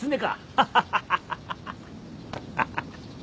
ハハハハ。